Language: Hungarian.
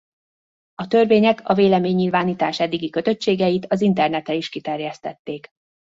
A törvények a véleménynyilvánítás eddigi kötöttségeit az internetre is kiterjesztették.